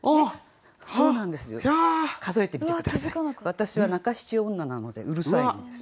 私は中七女なのでうるさいんです。